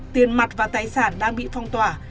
tiền mặt và tài sản đang bị phong tỏa